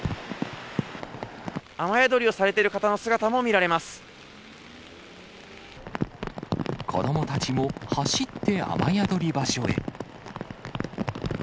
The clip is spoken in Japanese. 雨宿りをされている方の姿も子どもたちも走って雨宿り場所へ。